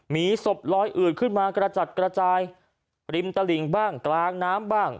มีศพลอยอืดขึ้นมากระจัดกระจายริมตลิ่งบ้างกลางน้ำบ้าง